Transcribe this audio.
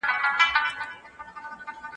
د شکر ناروغۍ د زړه او سترګو ستونزې رامنځته کوي.